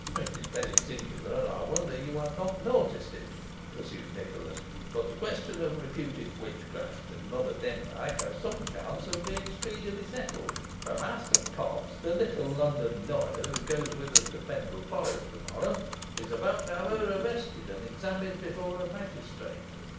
"It is very singular, and I wonder you have not noticed it," pursued Nicholas; "but the question of reputed witchcraft in Mother Demdike has some chance of being speedily settled; for Master Potts, the little London lawyer, who goes with us to Pendle Forest to morrow, is about to have her arrested and examined before a magistrate."